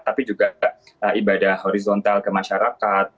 tapi juga ibadah horizontal ke masyarakat